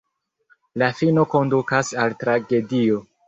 La fino kondukas al tragedio.